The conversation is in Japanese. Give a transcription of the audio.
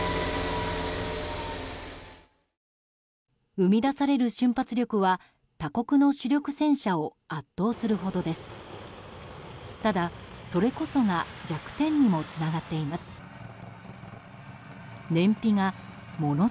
生み出される瞬発力は他国の主力戦車を圧倒するほどです。